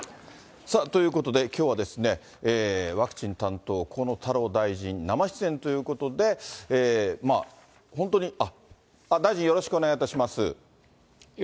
さあ、ということで、きょうは、ワクチン担当、河野太郎大臣、生出演ということで、本当に、あっ、大臣、よろしくお願いします。